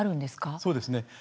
そうですね。